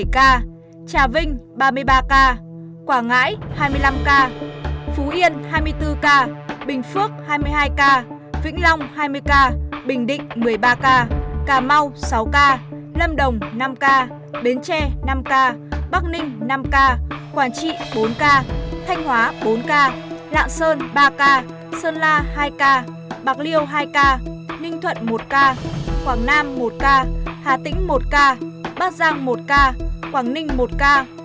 ca hà vinh ba mươi ba ca quảng ngãi hai mươi năm ca phú yên hai mươi bốn ca bình phước hai mươi hai ca vĩnh long hai mươi ca bình định một mươi ba ca cà mau sáu ca lâm đồng năm ca bến tre năm ca bắc ninh năm ca quảng trị bốn ca thanh hóa bốn ca lạng sơn ba ca sơn la hai ca bạc liêu hai ca ninh thuận một ca quảng nam một ca hà tĩnh một ca bắc giang một ca quảng ninh một ca